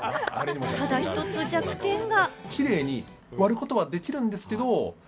ただ１つ弱点が。